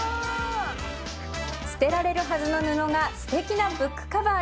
捨てられるはずの布がすてきなブックカバーに